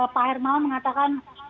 pak hermawan mengatakan